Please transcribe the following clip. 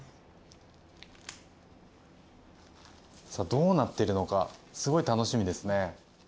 さあどうなってるのかすごい楽しみですね。